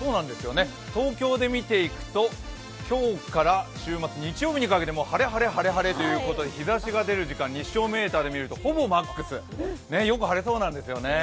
東京で見ていくと今日から週末日曜日にかけて晴れ、晴れ、晴れ、晴れということで日ざしが出る時間日照メーターで見ると、ほぼマックス、よく晴れそうなんですよね。